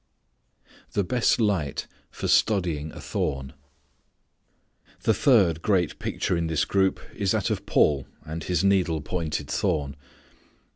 The Best Light for Studying a Thorn. The third great picture in this group is that of Paul and his needle pointed thorn.